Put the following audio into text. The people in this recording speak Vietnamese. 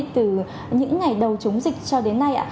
từ những ngày đầu chống dịch cho đến nay